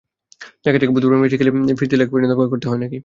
দেখা যাক বুধবারের ম্যাচেই খেলি, নাকি ফিরতি লেগ পর্যন্ত অপেক্ষা করতে হয়।